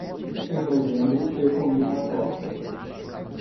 Em novembro, eu comi uma torta.